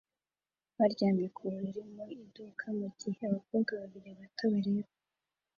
baryamye ku buriri mu iduka mu gihe abakobwa babiri bato bareba